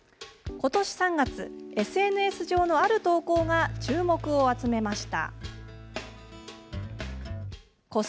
ことし３月、ＳＮＳ上のある投稿が注目を集めました。